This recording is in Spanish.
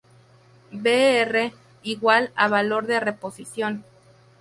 Vr=Valor de reposición.